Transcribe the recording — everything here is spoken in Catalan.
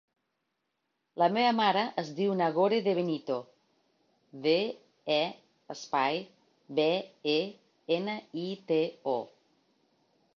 La meva mare es diu Nagore De Benito: de, e, espai, be, e, ena, i, te, o.